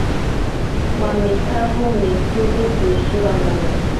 kuwa mikavuMisuli kuishiwa nguvu